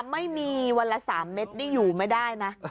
ไม่มีวันละ๓เม็ดนี่อยู่ไม่ได้นะ